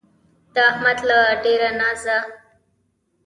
د احمد له ډېره نازه کونه ورکه ده